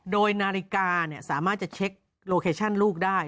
โดยนาฬิกาสามารถจะเช็คโลเคชั่นลูกได้